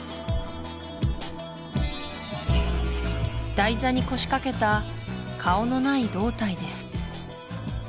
台座に腰掛けた顔のない胴体です